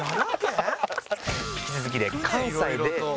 引き続き。